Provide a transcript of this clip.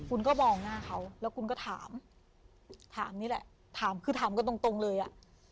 คุณก็มองหน้าเขาแล้วคุณก็ถามถามนี่แหละถามคือถามกันตรงตรงเลยอ่ะ